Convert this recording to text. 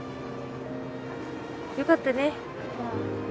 よかったね。